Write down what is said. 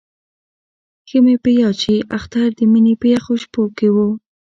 ښه مې په یاد شي اختر د مني په یخو شپو کې وو.